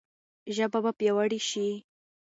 ژبه به پیاوړې شي.